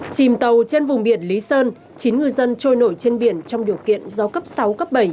chìm tàu trên vùng biển lý sơn chín ngư dân trôi nổi trên biển trong điều kiện gió cấp sáu cấp bảy